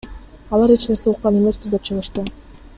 Алар эч нерсе уккан эмеспиз деп чыгышты.